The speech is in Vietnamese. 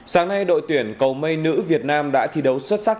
sáng nay đội tuyển cầu mây nữ việt nam đã thi đấu xuất sắc